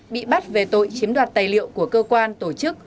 bị bắt về tội chiếm đoạt tài liệu của cơ quan tổ chức